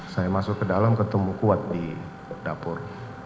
saya masuk ke dalam ketemu kuat di dapur